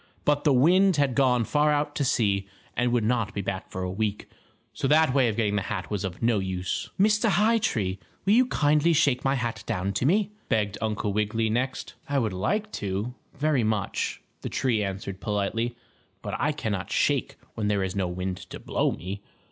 But the wind had gone far out to sea, and would not be back for a week. So that way of getting the hat was of no use. "Mr. High Tree, will you kindly shake my hat down to me?" begged Uncle Wiggily next. "I would like to, very much," the tree answered politely, "but I cannot shake when there is no wind to blow me.